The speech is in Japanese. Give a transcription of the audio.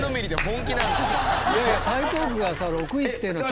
台東区がさ６位っていうのは。